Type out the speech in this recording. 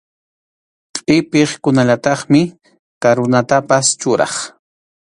Qʼipiqkunallataqmi karunatapas churaq.